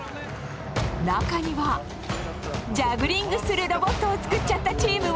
中にはジャグリングするロボットを作っちゃったチームも！